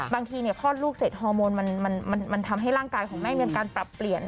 บางทีคลอดลูกเสร็จฮอร์โมนมันทำให้ร่างกายของแม่มีการปรับเปลี่ยน